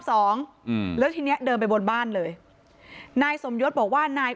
สองอืมแล้วทีเนี้ยเดินไปบนบ้านเลยนายสมยศบอกว่านาย